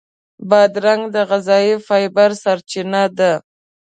بادرنګ د غذایي فایبر سرچینه ده.